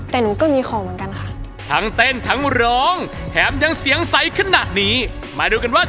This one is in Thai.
แต่หนูก็มีของเหมือนกันค่ะ